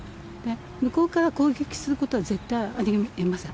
向こうから攻撃することは絶対ありえません。